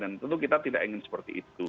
dan tentu kita tidak ingin seperti itu